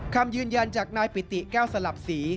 คำยืนยันจากนายปิติแก้วสลับศรี